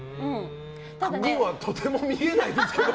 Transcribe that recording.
そうはとても見えないですけど。